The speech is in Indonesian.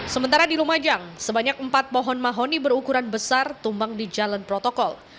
sementara di lumajang sebanyak empat pohon mahoni berukuran besar tumbang di jalan protokol